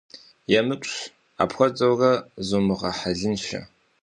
Емыкӏущ, апхуэдэурэ зумыгъэхьэлыншэ.